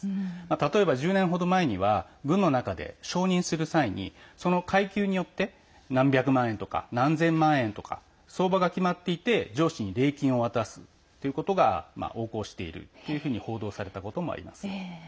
例えば１０年程前には軍の中で昇任する際にその階級によって何百万円とか何千万円とか相場が決まっていて上司に礼金を渡すということが横行しているっていうふうに報道されたこともあります。